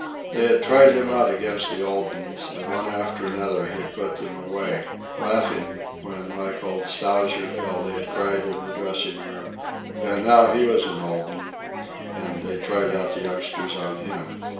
They had tried him out against the old uns, and one after another he had put them away laughing when, like old Stowsher Bill, they cried in the dressing room. And now he was an old un, and they tried out the youngsters on him.